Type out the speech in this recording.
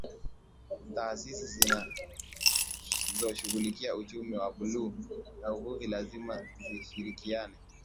Taasisi zinazoshughulikia Uchumi wa Buluu na Uvuvi lazima zishirikiane